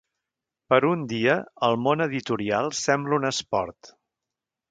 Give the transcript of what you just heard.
Per un dia, el món editorial sembla un esport.